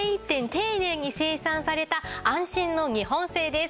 丁寧に生産された安心の日本製です。